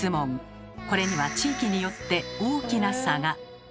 これには地域によって大きな差が。